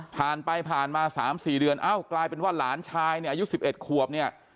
ผ่านไปผ่านมา๓๔เดือนอ้าวกลายเป็นว่าหลานชายอายุ๑๑ขวบ